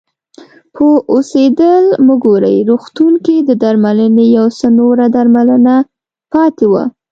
په اوسپیډل مګوري روغتون کې د درملنې یو څه نوره درملنه پاتې وه.